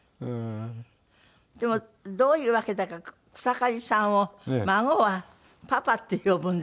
でもどういうわけだか草刈さんを孫は「パパ」って呼ぶんですって？